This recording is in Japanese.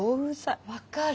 分かる。